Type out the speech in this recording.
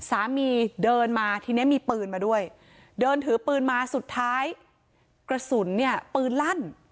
สามีเดินมาทีนี้มีปืนมาด้วยเดินถือปืนมาสุดท้ายกระสุนเนี่ยปืนลั่น